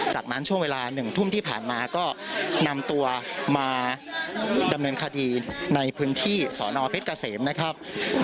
จากนั้นช่วงเวลา๑ทุ่มที่ผ่านมาก็นำตัวมาดำเนินคดีในพื้นที่สอนอเพชรเกษมนะครับ